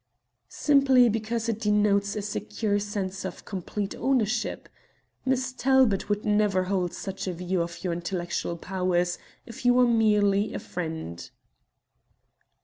"Simply because it denotes a secure sense of complete ownership. Miss Talbot would never hold such a view of your intellectual powers if you were merely a friend."